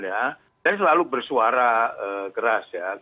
saya selalu bersuara keras